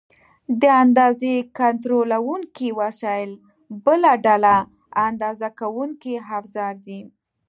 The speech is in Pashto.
د اندازې کنټرولونکي وسایل بله ډله اندازه کوونکي افزار دي.